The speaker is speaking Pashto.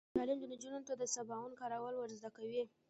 تعلیم نجونو ته د صابون کارول ور زده کوي.